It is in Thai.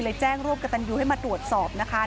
แจ้งร่วมกับตันยูให้มาตรวจสอบนะคะ